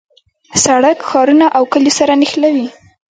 سړک ښارونه او کلیو سره نښلوي.